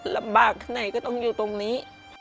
ลำบากไหนก็ต้องอยู่ตรงนี้